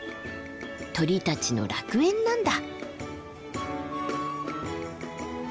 鳥たちの楽園なんだ。